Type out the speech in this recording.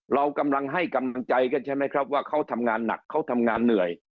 เรากำลังให้กำลังใจกันใช่ไหมครับว่าเขาทำงานหนักเขาทำงานเหนื่อย